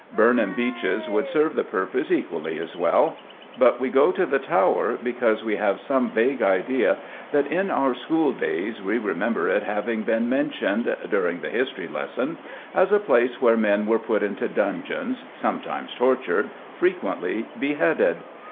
Burnham Beeches would serve the purpose equally well. But we go to the Tower because we have some vague idea that in our school days we remember it having been mentioned, during the history lesson, as a place where men were put into dungeons, sometimes tortured, frequently beheaded.